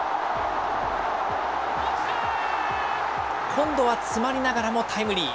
今度はつまりながらもタイムリー。